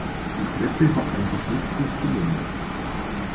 Die Treppe hat ein geschnitztes Geländer.